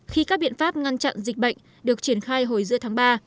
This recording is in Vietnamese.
khi các biện pháp ngăn chặn dịch bệnh được triển khai hồi giữa tháng ba